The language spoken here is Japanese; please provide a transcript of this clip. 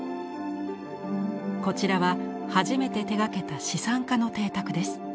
こちらは初めて手がけた資産家の邸宅です。